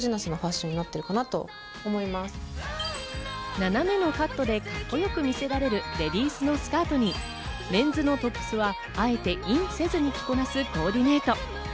斜めのカットでカッコよく見せられるレディースのスカートにメンズのトップスはあえてインせずに着こなすコーディネート。